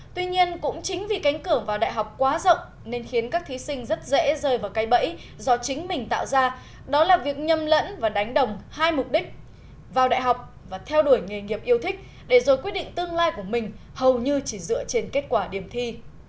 tuy nhiên cũng chính vì cánh cửa vào đại học quá rộng nên khiến các thí sinh rất dễ rơi vào cái bẫy do chính mình tạo ra đó là việc nhầm lẫn và đánh đồng hai mục đích vào đại học và theo đuổi nghề nghiệp yêu thích để rồi quyết định tương lai của mình hầu như chỉ dựa trên kết quả điểm thi